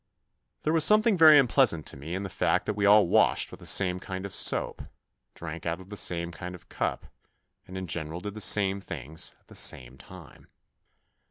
There was something very unpleasant to me in the fact that we all washed with the same kind of soap, drank out of the same kind of cup, and in general did the same things at the same time.